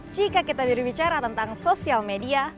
jika kita sudah bicara tentang sosial media